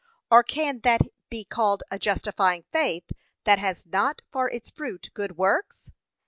or can that be called a justifying faith, that has not for its fruit good works?